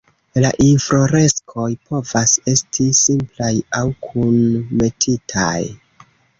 La infloreskoj povas esti simplaj aŭ kunmetitaj.